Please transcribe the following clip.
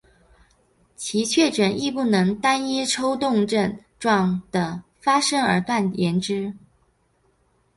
其确诊亦不能以单一抽动症状的发生而断言之。